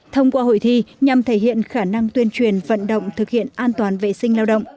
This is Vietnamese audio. thông qua hội thi nhằm thể hiện khả năng tuyên truyền vận động thực hiện an toàn vệ sinh lao động